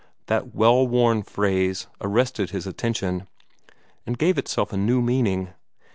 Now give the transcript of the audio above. That well worn phrase arrested his attention, and gave itself a new meaning.